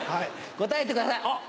答えてくださいあっ！